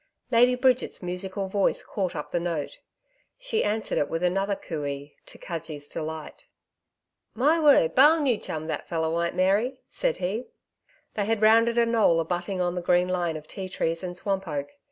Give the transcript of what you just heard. Lady Bridget's musical voice caught up the note. She answered it with another COO EE, to Cudgee's delight. 'My word! Ba'al newchum, that feller white Mary,' said he. They had rounded a knoll abutting on the green line of ti trees and swamp oak.